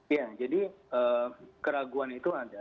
ya jadi keraguan itu ada